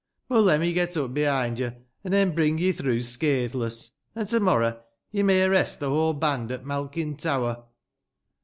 Bob lemme get up bebind yo, an' ey'n bring ye tbrougb scatbeless. An' to morrow ye may arrest tbe wbole band at Malkin Tower."